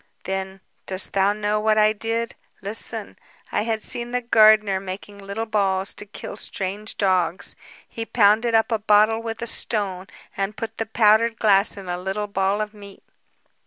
"Then, dost thou know what I did? Listen. I had seen the gardener making little balls to kill strange dogs. He pounded up a bottle with a stone and put the powdered glass in a little ball of meat.